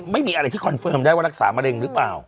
ไม่มีอะไรที่คอนเฟิร์มได้ว่ารักษามะเร็งหรือเปล่า